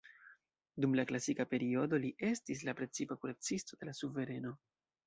Dum la klasika periodo li estis la precipa kuracisto de la suvereno.